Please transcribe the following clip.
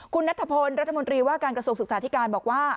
คุณนัทพลรัฐมนตรีว่าการกระทรวงศึกษาธิการบอกว่า